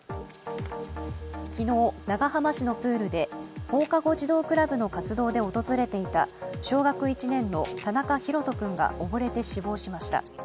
昨日長浜市のプールで放課後児童クラブの活動で訪れていた小学１年の田中大翔君が溺れて死亡しました。